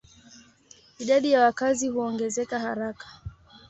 Idadi ya wakazi huongezeka haraka.